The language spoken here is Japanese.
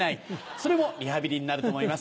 それもリハビリになると思います。